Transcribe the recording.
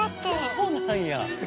そうなんや。